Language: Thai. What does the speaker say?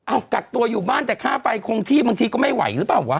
กักตัวอยู่บ้านแต่ค่าไฟคงที่บางทีก็ไม่ไหวหรือเปล่าวะ